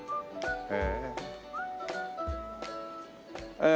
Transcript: へえ。